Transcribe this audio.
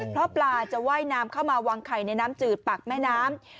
เพราะปลาจะว่ายน้ำเข้ามาวางไข่ในน้ำจืดปากแม่น้ำ